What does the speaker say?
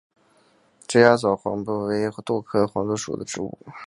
直荚草黄耆为豆科黄芪属的植物。